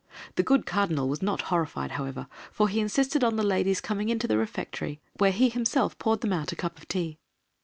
The good cardinal was not horrified, however, for he insisted on the ladies coming into the Refectory, where he himself poured them out a cup of tea.